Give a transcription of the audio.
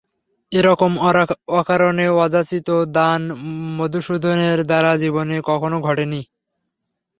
এরকম অকারণে অযাচিত দান মধুসূদনের দ্বারা জীবনে কখনো ঘটে নি।